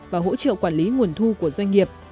và hỗ trợ quản lý nguồn thu của doanh nghiệp